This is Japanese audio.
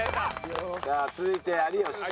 さあ続いて有吉。